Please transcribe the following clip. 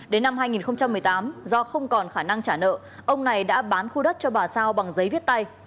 đến năm hai nghìn một mươi tám do không còn khả năng trả nợ ông này đã bán khu đất cho bà sao bằng giấy viết tay